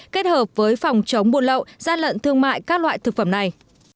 kết hợp với phòng chống buôn lậu gian lận thương mại các loại thực phẩm này